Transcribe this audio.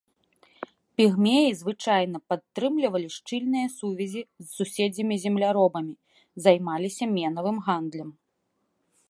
Пігмеі звычайна падтрымлівалі шчыльныя сувязі з суседзямі-земляробамі, займаліся менавым гандлем.